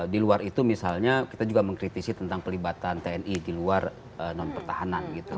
di luar itu misalnya kita juga mengkritisi tentang pelibatan tni di luar non pertahanan gitu